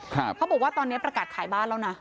เขาบอกว่าตอนนี้ประกาศขายบ้านแล้วนะ